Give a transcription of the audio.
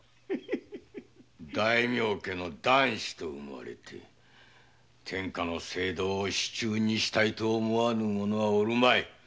大名家の男子と生まれて天下の政道を手中にしたいと思わぬ者はおるまい。